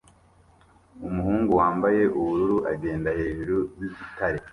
Umuhungu wambaye ubururu agenda hejuru yigitare